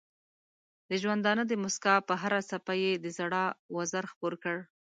د ژوندانه د مسکا پر هره څپه یې د ژړا وزر خپور کړ.